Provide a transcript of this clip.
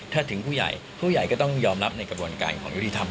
ถ้าถึงผู้ใหญ่ผู้ใหญ่ก็ต้องยอมรับในกระบวนการของยุติธรรม